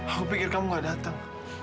aku pikir kamu gak datang